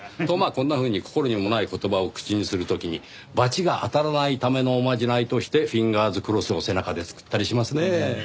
とまあこんなふうに心にもない言葉を口にする時に罰が当たらないためのおまじないとしてフィンガーズクロスを背中で作ったりしますねぇ。